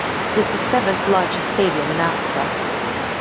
It is the seventh largest stadium in Africa.